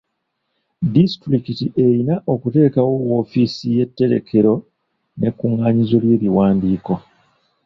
Disitulikiti erina okuteekawo woofiisi y'etterekero n'ekkunganyizo ly'ebiwandiiko.